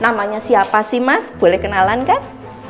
namanya siapa sih mas boleh kenalan kah